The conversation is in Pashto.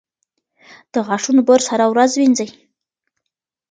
د غاښونو برس هره ورځ وینځئ.